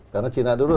karena cina dulu